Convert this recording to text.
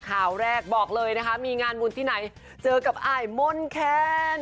ข่าวแรกบอกเลยนะคะมีงานบุญที่ไหนเจอกับอายมนแคน